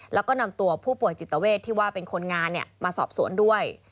แล้วก็นำตัวผู้ป่วยจิตเวทที่ว่าเป็นคนงานมาสอบสวนด้วย